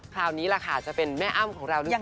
คราวนี้ล่ะค่ะจะเป็นแม่อ้ำของเราหรือเปล่า